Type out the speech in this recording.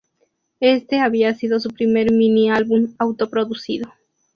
Éste había sido su primer mini-álbum auto-producido.